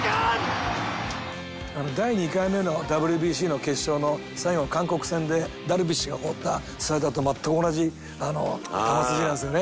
第２回目のＷＢＣの決勝の最後韓国戦でダルビッシュが放ったスライダーと全く同じ球筋なんですよね。